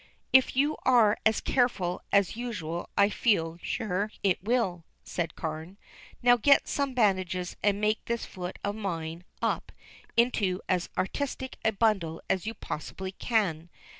"If you are as careful as usual I feel sure it will," said Carne. "Now get some bandages and make this foot of mine up into as artistic a bundle as you possibly can.